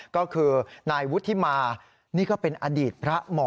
ก็คือนายวุฒิมานี่ก็เป็นอดีตพระหมอ